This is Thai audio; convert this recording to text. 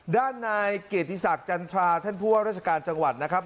ด้านนายเกียรติศักดิ์จันทราท่านผู้ว่าราชการจังหวัดนะครับ